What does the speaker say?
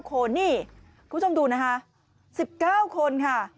คุณผู้ชมดู๑๙คนค่ะ